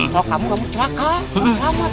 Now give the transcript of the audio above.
kalau kamu gak mau celaka selamat